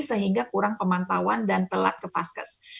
sehingga kurang pemantauan dan telat ke paskes